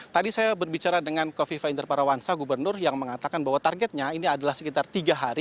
tadi saya berbicara dengan kofifa indar parawansa gubernur yang mengatakan bahwa targetnya ini adalah sekitar tiga hari